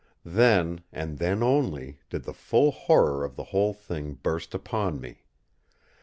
Then, and then only, did the full horror of the whole thing burst upon me!